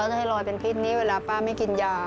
จะให้ลอยเป็นพิษนี้เวลาป้าไม่กินยา